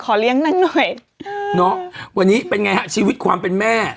เลี้ยงนางหน่อยเนาะวันนี้เป็นไงฮะชีวิตความเป็นแม่